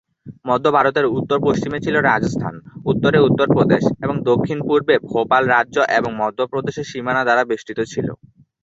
মধ্য ভারতের উত্তর-পশ্চিমে ছিল রাজস্থান, উত্তরে উত্তর প্রদেশ এবং দক্ষিণ পূর্বে ভোপাল রাজ্য এবং মধ্য প্রদেশের সীমানা দ্বারা বেষ্টিত ছিল।